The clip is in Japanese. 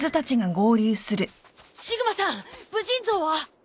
シグマさん武人像は？